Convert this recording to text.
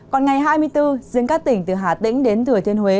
còn ngày hai mươi bốn riêng các tỉnh từ hà tĩnh đến thừa thiên huế